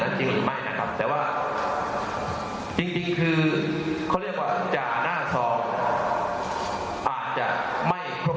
กี่ชั่วโมงหรือเท่าไหร่นะครับ